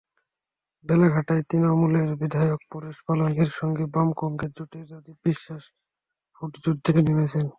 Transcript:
বেলেঘাটায় তৃণমূলের বিধায়ক পরেশ পালের সঙ্গে বাম-কংগ্রেস জোটের রাজীব বিশ্বাস ভোটযুদ্ধে নেমেছেন।